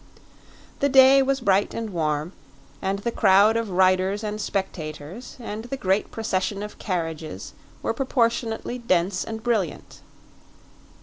The day was bright and warm, and the crowd of riders and spectators, and the great procession of carriages, were proportionately dense and brilliant.